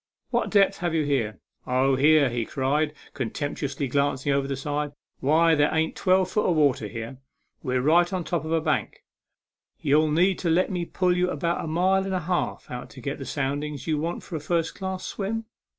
" What depths have you here?" " Oh, here," cried he, contemptuously glanc ing over the side, " why, there ain't twelve foot of water here. We're right on top of a bank. Ye'll need to let me pull you about a mile and a half out to get the soundings you want for a first class swim."